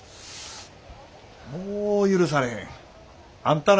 もう許されへん。